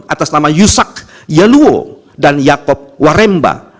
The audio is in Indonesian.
atas nama yusak yeluo dan yaakob waremba